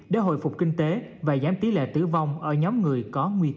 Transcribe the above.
để hồi phục kinh tế và giảm tỷ lệ tử vong ở nhóm người có nguy cơ